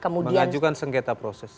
mengajukan sengketa proses